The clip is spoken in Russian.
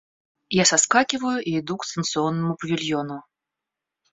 Я соскакиваю и иду к станционному павильону.